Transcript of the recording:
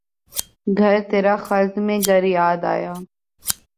گھر ترا خلد میں گر یاد آیا